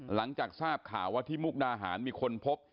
หลังจากทราบข่าวว่าที่มุกดาหารมีคนพบ